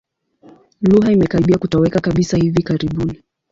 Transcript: Lugha imekaribia kutoweka kabisa hivi karibuni.